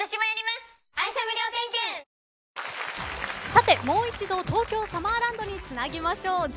さて、もう一度東京サマーランドにつなぎましょう。